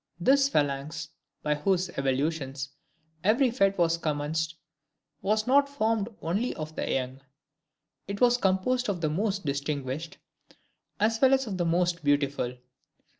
This phalanx, by whose evolutions every fete was commenced, was not formed only of the young: it was composed of the most distinguished, as well as of the most beautiful.